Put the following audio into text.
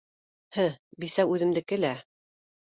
- һе, бисә үҙемдеке лә